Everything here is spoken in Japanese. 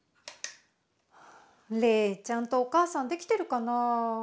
レイちゃんとお母さんできてるかなあ。